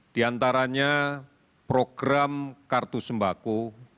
di antaranya program kartu sembako